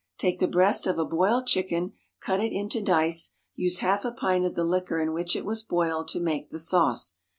_ Take the breast of a boiled chicken, cut it into dice; use half a pint of the liquor in which it was boiled to make the sauce.